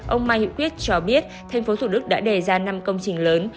ông mai hiệu quyết cho biết tp thủ đức đã đề ra năm công trình lớn